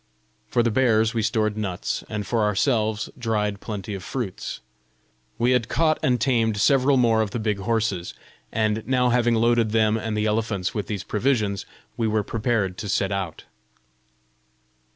For the bears we stored nuts, and for ourselves dried plenty of fruits. We had caught and tamed several more of the big horses, and now having loaded them and the elephants with these provisions, we were prepared to set out.